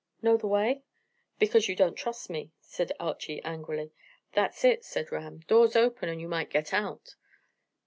Know the way?" "Because you don't trust me," said Archy angrily. "That's it," said Ram. "Door's open, and you might get out."